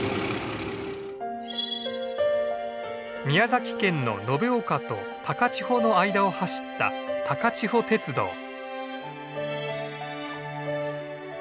宮崎県の延岡と高千穂の間を走った高千穂鉄道。